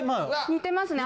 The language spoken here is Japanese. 似てますね